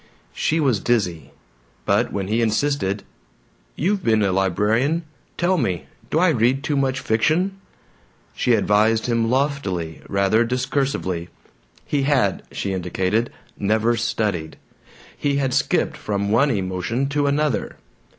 She was dizzy. But when he insisted, "You've been a librarian; tell me; do I read too much fiction?" she advised him loftily, rather discursively. He had, she indicated, never studied. He had skipped from one emotion to another.